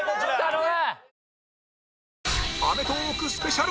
頼む！